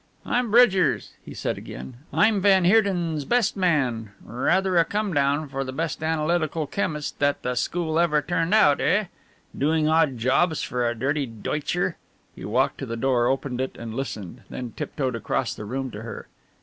"I'm Bridgers," he said again. "I'm van Heerden's best man rather a come down for the best analytical chemist that the school ever turned out, eh? Doing odd jobs for a dirty Deutscher!" He walked to the door, opened it and listened, then tiptoed across the room to her.